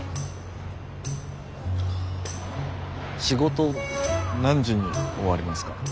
仕事何時に終わりますか？